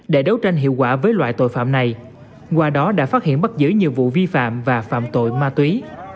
để đấu tranh hiệu quả với loại tội phạm này qua đó đã phát hiện bắt giữ nhiều vụ vi phạm và phạm tội ma túy